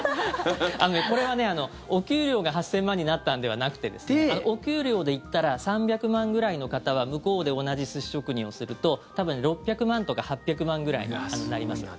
これは、お給料が８０００万になったんではなくてお給料で言ったら３００万ぐらいの方は向こうで同じ寿司職人をすると多分６００万とか８００万くらいになります。